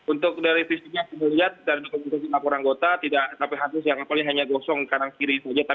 untuk dari visinya kita lihat dari kompetensi laporan anggota tidak sampai hati hati kapalnya hanya gosong kanan kiri saja